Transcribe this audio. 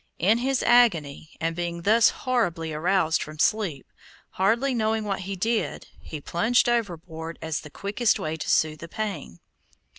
In his agony, and being thus horribly aroused from sleep, hardly knowing what he did, he plunged overboard as the quickest way to soothe the pain.